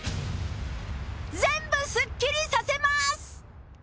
全部すっきりさせます